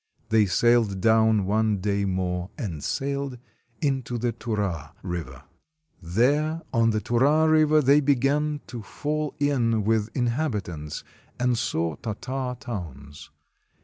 They sailed down one day more, and sailed into the Tura River. There on the Tura River they began to fall in with inhabitants, and saw Tartar towns.